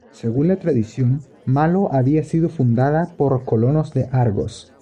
Según la tradición, Malo había sido fundada por colonos de Argos.